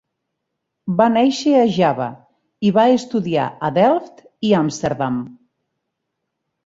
Va néixer a Java i va estudiar a Delft i Amsterdam.